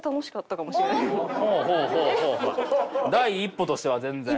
第一歩としては全然。